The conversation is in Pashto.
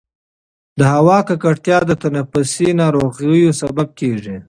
د هوا ککړتیا د تنفسي ناروغیو سبب کېږي.